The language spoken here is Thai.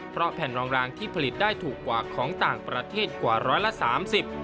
เพราะแผ่นรองรางที่ผลิตได้ถูกกว่าของต่างประเทศกว่าร้อยละสามสิบ